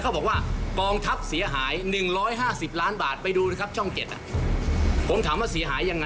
คุณวิจัยมา๓ล้าน๘ก็จบกัน